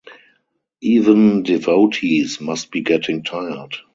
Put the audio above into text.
Even devotees must be getting tired.